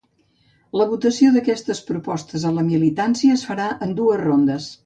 La votació d’aquestes propostes a la militància es farà en dues rondes.